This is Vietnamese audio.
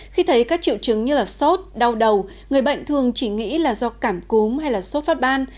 khi thấy các triệu chứng như sốt đau đầu người bệnh thường chỉ nghĩ là do cảm cúm hay là sốt phát ban